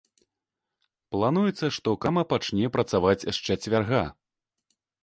Плануецца, што крама пачне працаваць з чацвярга.